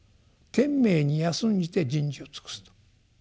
「天命に安んじて人事を尽くす」と。